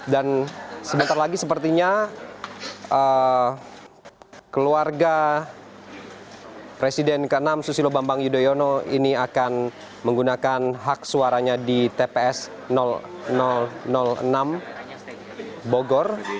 dan sebentar lagi sepertinya keluarga presiden ke enam susilo bambang yudhoyono ini akan menggunakan hak suaranya di tps enam bogor